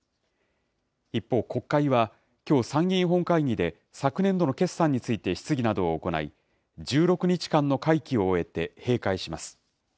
一方、国会はきょう、参議院本会議で昨年度の決算について質疑などを行い、１６日間の会期を終えて閉会します。